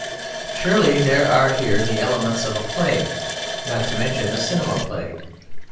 Surely there are here the elements of a play, not to mention a cinema play.